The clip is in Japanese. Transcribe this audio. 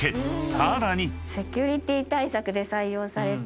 ［さらに］